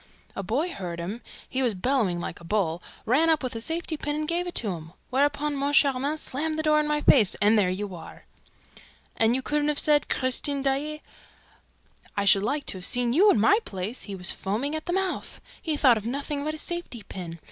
A boy heard him he was bellowing like a bull ran up with a safety pin and gave it to him; whereupon Moncharmin slammed the door in my face, and there you are!" "And couldn't you have said, 'Christine Daae.'" "I should like to have seen you in my place. He was foaming at the mouth. He thought of nothing but his safety pin.